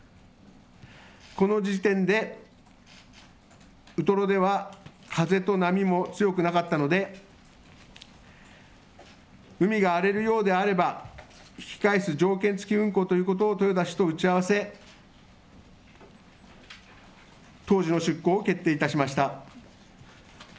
この時点で、ウトロでは風と波も強くなかったので、海が荒れるようであれば引き返す条件付き運航ということを、豊田氏と打ち合わせ、当時の出航を決定いたしました。